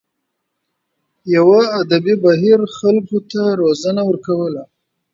یوه ادبي بهیر خلکو ته روزنه ورکوله.